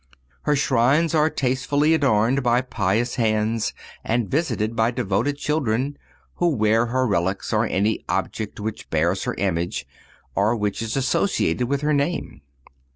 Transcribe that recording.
Her shrines are tastefully adorned by pious hands and visited by devoted children, who wear her relics or any object which bears her image, or which is associated with her name.